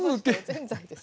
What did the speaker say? ぜんざいです。